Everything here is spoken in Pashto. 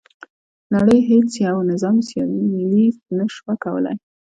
نړۍ هیڅ یو نظام سیالي نه شوه کولای.